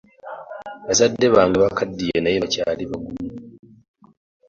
Bazadde bange bakaddiye naye bakyali bagumu.